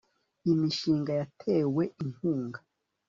imishinga yatewe inkunga